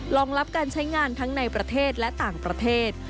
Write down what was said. รองรับการใช้งานทั้งในประเทศและต่างประเทศ